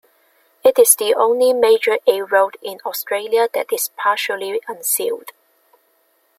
It is the only major A-road in Australia that is partially unsealed.